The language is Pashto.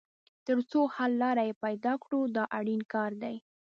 تر څو حل لاره یې پیدا کړو دا اړین کار دی.